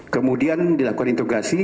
kemudian dilakukan intugasi